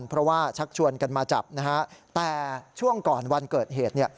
เพราะว่าชักชวนกันมาจับแต่ช่วงก่อนวันเกิดเหตุ